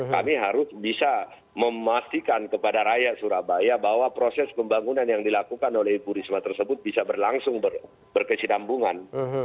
kami harus bisa memastikan kepada rakyat surabaya bahwa proses pembangunan yang dilakukan oleh ibu risma tersebut bisa berlangsung berkesinambungan